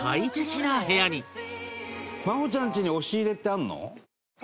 麻帆ちゃんちに押し入れってあるの？